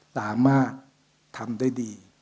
สามารถทำได้ดี